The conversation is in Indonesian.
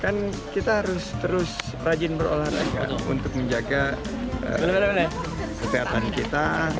kan kita harus terus rajin berolahraga untuk menjaga kesehatan kita